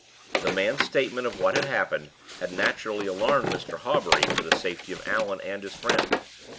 The man's statement of what had happened had naturally alarmed Mr. Hawbury for the safety of Allan and his friend.